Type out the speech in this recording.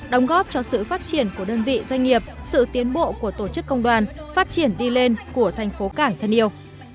đóng góp cho sự phát triển của đơn vị doanh nghiệp sự tiến bộ của tổ chức công đoàn phát triển đi lên của thành phố cảng thân yêu